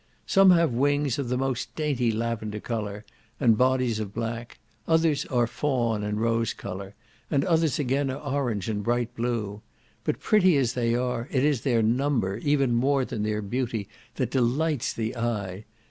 Some have wings of the most dainty lavender colour; and bodies of black; others are fawn and rose colour; and others again are orange and bright blue. But pretty as they are, it is their number, even more than their beauty, that delights the eye.